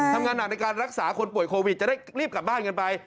ทำงานหนักในการรักษาคนป่วยโควิดจะได้รีบกลับบ้านกันไป